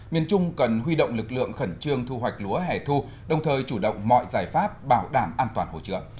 miền trung cần huy động lực lượng khẩn trương thu hoạch lúa hẻ thu đồng thời chủ động mọi giải pháp bảo đảm an toàn hỗ trợ